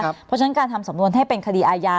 เพราะฉะนั้นการทำสำนวนให้เป็นคดีอาญา